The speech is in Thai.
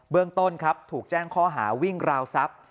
เรื่องต้นครับถูกแจ้งข้อหาวิ่งราวทรัพย์